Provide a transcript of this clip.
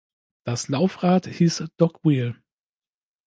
Das Laufrad hieß "dog-wheel".